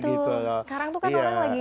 sekarang tuh kan orang lagi